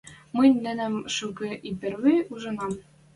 Мӹнь нӹнӹм шукы и перви ужынам.